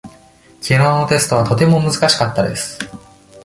きのうのテストはとても難しかったです。